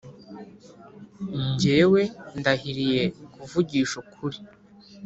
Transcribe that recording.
Jyewe ndahiriye kuvugisha ukuri